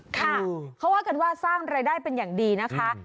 ค่ะเขาว่ากันว่าสร้างรายได้เป็นอย่างดีนะคะ